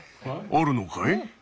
あるのかい？